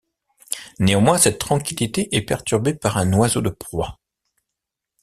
Néanmoins, cette tranquillité est perturbée par un oiseau de proie.